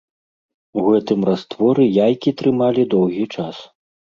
У гэтым растворы яйкі трымалі доўгі час.